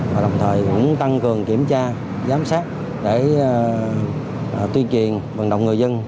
và đồng thời cũng tăng cường kiểm tra giám sát để tuyên truyền vận động người dân